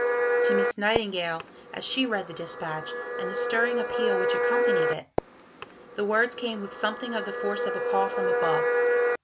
To Miss Nightingale, as she read the dispatch, and the stirring appeal which accompanied it, the words came with something of the force of a call from Above.